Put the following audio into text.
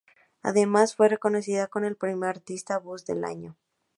Y además, fue reconocida con el premio "Artista buzz del año".